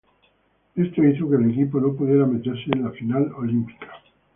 Esto hizo que el equipo no pudiera meterse en la final olímpica.